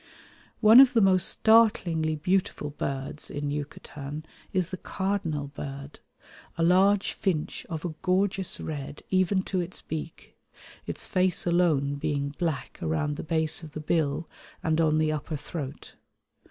One of the most startlingly beautiful birds in Yucatan is the cardinal bird, a large finch of a gorgeous red even to its beak, its face alone being black around the base of the bill and on the upper throat.